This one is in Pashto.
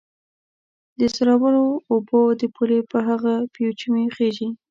د زورورو اوبه د پولې په هغه پېچومي خېژي